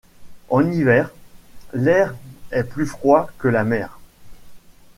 En hiver, l'air est plus froid que la mer.